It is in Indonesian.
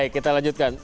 baik kita lanjutkan